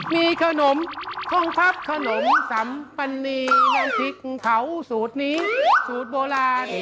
มีขนมห้องพักขนมสัมปณีน้ำพริกเผาสูตรนี้สูตรโบราณ